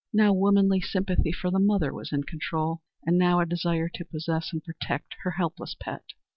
Now womanly sympathy for the mother was in control, and now a desire to possess and protect her helpless pet.